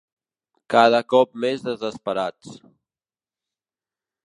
Cada cop més desesperats.